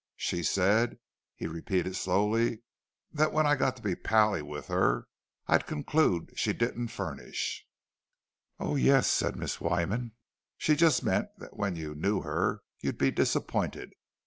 "She said"—he repeated slowly—"that when I got to be pally with her, I'd conclude she didn't furnish." "Oh, yes," said Miss Wyman. "She just meant that when you knew her, you'd be disappointed.